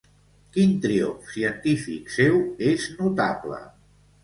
Quin triomf científic seu és notable?